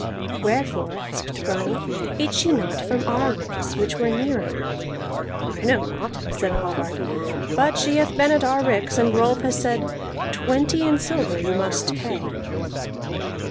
"Wherefore," asked Grani, "ate she not from our ricks, which were nearer?" "I know not," said Hallvard, "but she hath been at our ricks; and Rolf has said: Twenty in silver must you pay."